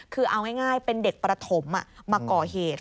คือเอาง่ายเป็นเด็กประถมมาก่อเหตุ